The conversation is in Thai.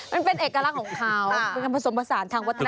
มันเป็นเอกลักษณ์ของเขาเป็นการผสมผสานทางวัฒน